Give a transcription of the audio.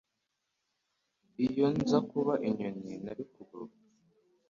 Iyo nza kuba inyoni, narikuguruka.